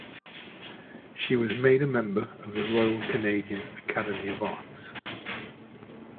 She was made a member of the Royal Canadian Academy of Arts.